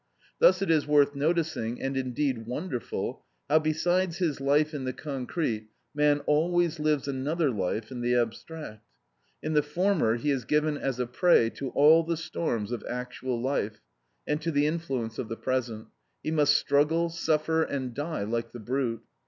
Thus it is worth noticing, and indeed wonderful, how, besides his life in the concrete, man always lives another life in the abstract. In the former he is given as a prey to all the storms of actual life, and to the influence of the present; he must struggle, suffer, and die like the brute.